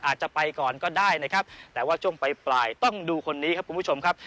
อาจจะไปก่อนก็ได้นะครับแต่ว่าช่วงปลายต้องดูคนนี้ครับคุณผู้ชมครับ